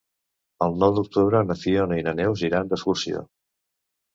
El nou d'octubre na Fiona i na Neus iran d'excursió.